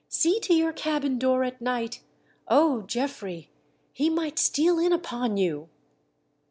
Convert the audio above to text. See to your cabin door at night — O ! Geoffrey, he might steal in upon you.